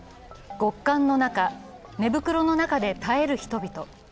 極寒の中、寝袋の中で耐える人々。